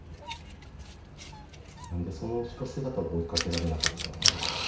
何でその後ろ姿を追いかけられなかったのかなと。